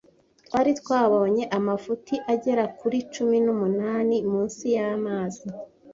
Twari twabonye amafuti agera kuri cumi n'umunani munsi y'amazi,